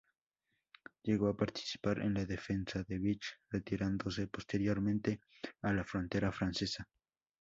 Llegó a participar en la defensa de Vich, retirándose posteriormente a la frontera francesa.